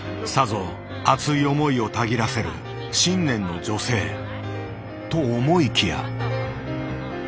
さぞ熱い思いをたぎらせる信念の女性と思いきや。